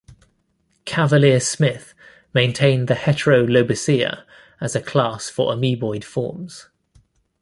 Cavalier-Smith maintained the Heterolobosea as a class for amoeboid forms.